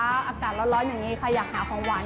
อากาศร้อนอย่างนี้ใครอยากหาของหวาน